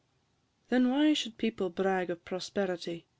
Then why should people brag of prosperity?